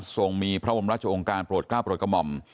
ส่งมีพระบรมราชองค์การโปรดกล้าโปรดกระหม่อม